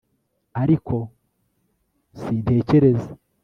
ariko sintekereza